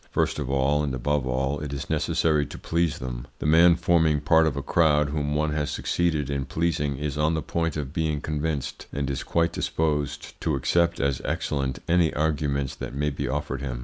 First of all, and above all, it is necessary to please them. The man forming part of a crowd whom one has succeeded in pleasing is on the point of being convinced, and is quite disposed to accept as excellent any arguments that may be offered him.